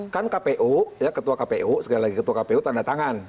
kan kpu ketua kpu sekali lagi ketua kpu tanda tangan